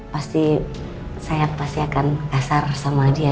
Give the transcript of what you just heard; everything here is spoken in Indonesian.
pasti saya pasti akan kasar sama dia